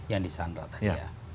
yang disandra tadi ya